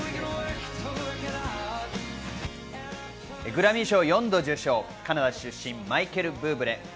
グラミー賞４度受賞、カナダ出身マイケル・ブーブレ。